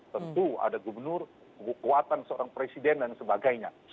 tentu ada gubernur kekuatan seorang presiden dan sebagainya